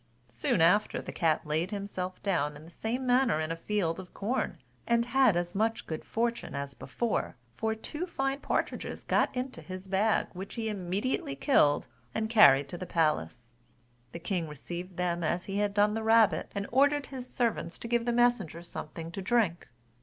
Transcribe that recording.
Soon after, the cat laid himself down in the same manner in a field of corn, and had as much good fortune as before; for two fine partridges got into his bag, which he immediately killed and carried to the palace: the king received them as he had done the rabbit, and ordered his servants to give the messenger something to drink.